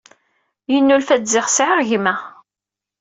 Yennulfa-d ziɣ sɛiɣ gma.